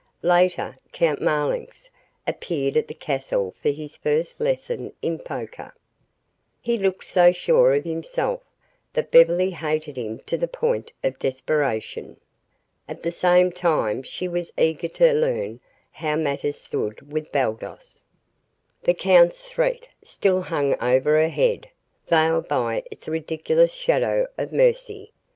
Later, Count Marlanx appeared at the castle for his first lesson in poker. He looked so sure of himself that Beverly hated him to the point of desperation. At the same time she was eager to learn how matters stood with Baldos. The count's threat still hung over her head, veiled by its ridiculous shadow of mercy.